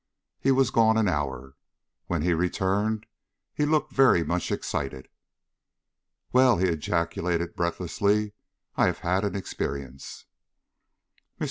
He was gone an hour. When he returned he looked very much excited. "Well!" he ejaculated, breathlessly, "I have had an experience." Mr.